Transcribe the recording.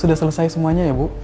sudah selesai semuanya ya bu